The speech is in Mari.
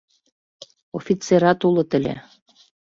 — Офицерат улыт ыле...